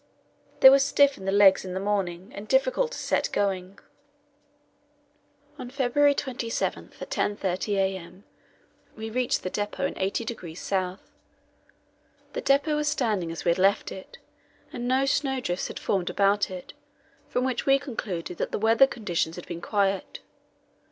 They were stiff in the legs in the morning and difficult to set going. On February 27, at 10.30 a.m., we reached the depot in 80° S. The depot was standing as we had left it, and no snow drifts had formed about it, from which we concluded that the weather conditions had been quiet.